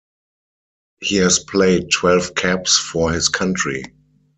He has played twelve caps for his country.